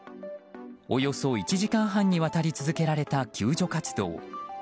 およそ１時間半にわたり続けられた救助活動。